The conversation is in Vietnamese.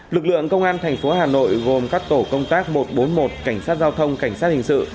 lực lượng công an thành phố hà nội gồm các tổ công tác một trăm bốn mươi một cảnh sát giao thông cảnh sát hình sự